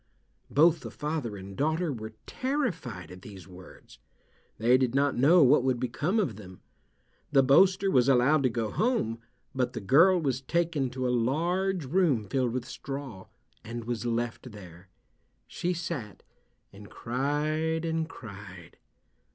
Both the father and daughter were terrified at these words. They did not know what would become of them. The boaster was allowed to go home, but the girl was taken to a large room filled with straw, and was left there. She sat and cried and cried.